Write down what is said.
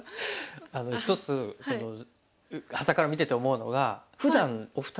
あのひとつはたから見てて思うのがふだんお二人